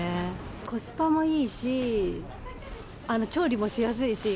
コスパもいいし、調理もしやすいし。